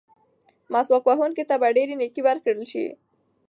مسواک وهونکي ته به ډېرې نیکۍ ورکړل شي.